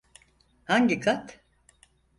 Hangi kat?